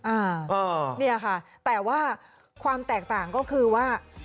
อ่าเนี่ยค่ะแต่ว่าความแตกต่างก็คือว่า